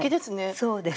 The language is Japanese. そうですね。